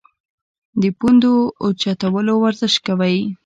د پوندو اوچتولو ورزش کوی -